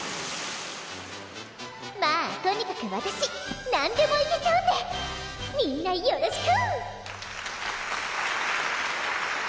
まぁとにかくわたし何でもいけちゃうんでみんなよろしく！